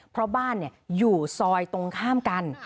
เพราะบ้านอยู่ซอยตรงข้ามกัน